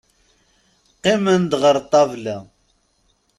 Qqimen-d ɣer ṭṭabla.